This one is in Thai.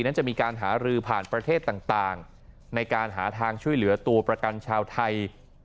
นั้นจะมีการหารือผ่านประเทศต่างในการหาทางช่วยเหลือตัวประกันชาวไทย